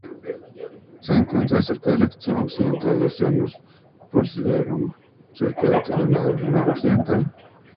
Se encuentra cerca del extremo occidental del Oceanus Procellarum, cerca del terminador lunar occidental.